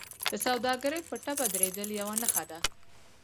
د سوداګرۍ په ټپه درېدل یوه نښه ده